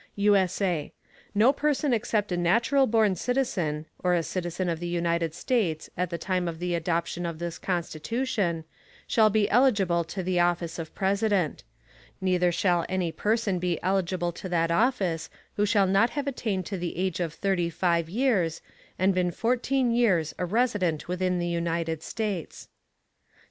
[USA] No Person except a natural born Citizen, or a Citizen of the United States, at the time of the Adoption of this Constitution, shall be eligible to the Office of President; neither shall any Person be eligible to that Office who shall not have attained to the Age of thirty five Years, and been fourteen Years a Resident within the United States.